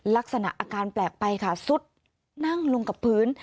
ลักษณะอาการแปลกไปค่ะซุดนั่งลงกับพื้น